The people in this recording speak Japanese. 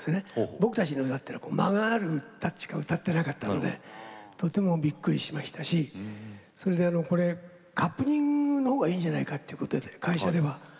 僕たちの歌っていうのは間がある歌しか歌ってなかったのでとてもびっくりしましたしそれで、カップリングのほうがいいんじゃないかってことで会社では。